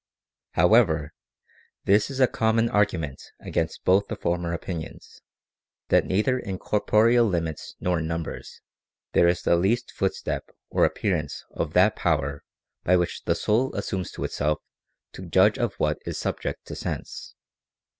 However this is a common argument against both the former opinions, that neither in corporeal limits nor in numbers there is the least footstep or appearance of that power by which the soul assumes to itself to judge of what is subject to sense.